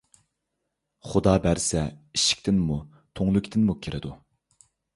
خۇدا بەرسە ئىشىكتىنمۇ، تۈڭلۈكتىنمۇ كىرىدۇ